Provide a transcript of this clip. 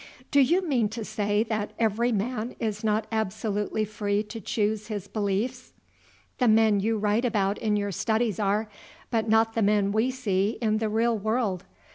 "Do you mean to say that every man is not absolutely free to choose his beliefs?" "The men you write about in your studies are, but not the men we see in the real world.